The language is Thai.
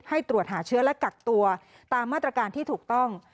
ตรวจหาเชื้อและกักตัวตามมาตรการที่ถูกต้อง